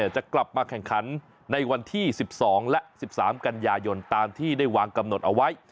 จะกลับมาแข่งขันในวันที่๑๒และ๑๓กันยายนตามที่ได้วางกำหนดเอาไว้